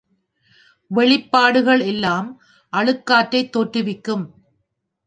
வெளிப்பாடுகள் எல்லாம் அழுக்காற்றைத் தோற்றுவிக்கும்.